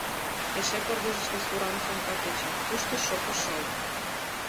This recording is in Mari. Эше пырдыжыште суран сумка кеча, тушто — шопо шыл.